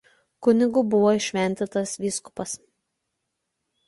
Kunigu buvo įšventintas vysk.